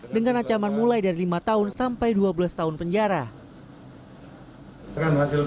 dengan ancaman mulai dari lima tahun sampai dua belas tahun penjara